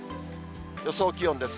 予想気温です。